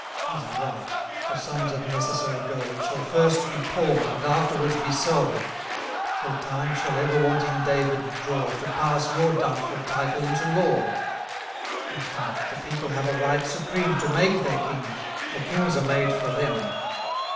His right, for sums of necessary gold, Shall first be pawn'd, and afterwards be sold; Till time shall ever wanting David draw, To pass your doubtful title into law; If not, the people have a right supreme To make their kings, for kings are made for them.